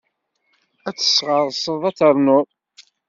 Ad tesɣeṛṣeḍ, ad ternuḍ!